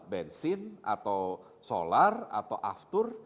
bensin atau solar atau aftur